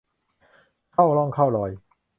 เข้าร่องเข้ารอย